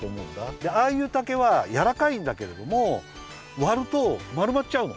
でああいう竹はやわらかいんだけれどもわるとまるまっちゃうの。